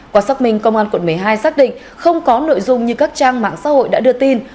quả xác minh công an quận một mươi hai xác định không có nội dung như các trang mạng xã hội đã đưa tin